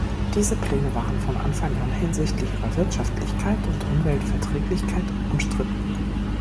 Diese Pläne waren von Anfang an hinsichtlich ihrer Wirtschaftlichkeit und Umweltverträglichkeit umstritten.